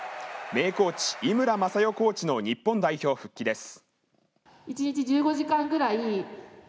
名コーチ、井村雅代コーチの日本代表復帰です。